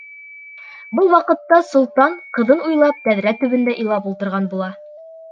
Был ваҡытта солтан, ҡыҙын уйлап, тәҙрә төбөндә илап ултырған була.